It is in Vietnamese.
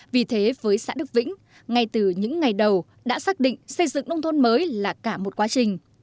vì thế với xã đức vĩnh ngay từ những ngày đầu đã xác định xây dựng nông thôn mới là cả một quá trình